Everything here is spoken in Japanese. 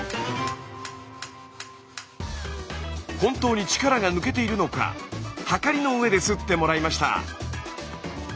本当に力が抜けているのかはかりの上ですってもらいました。